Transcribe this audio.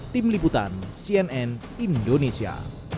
tim liputan cnn indonesia